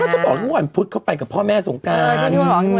จะบอกทุกวันพุธเขาไปกับพ่อแม่สงการ